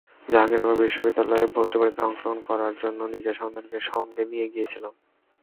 জাহাঙ্গীরনগর বিশ্ববিদ্যালয়ে ভর্তি পরীক্ষায় অংশগ্রহণ করানোর জন্য নিজের সন্তানকে সেখানে নিয়ে গিয়েছিলাম।